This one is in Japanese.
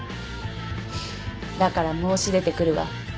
フフッだから申し出てくるわ。